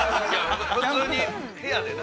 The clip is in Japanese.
普通に部屋でね。